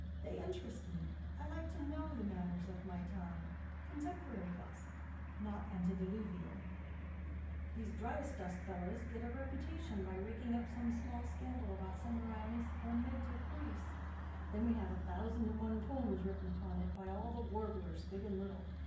They interest me. I like to know the manners of my time—contemporary gossip, not antediluvian. These Dryasdust fellows get a reputation by raking up some small scandal about Semiramis or Nitocris, and then we have a thousand and one poems written upon it by all the warblers big and little.